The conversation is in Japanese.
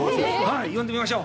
呼んでみましょう。